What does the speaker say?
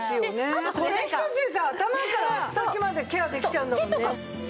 これ一つでさ頭から足先までケアできちゃうんだもんね。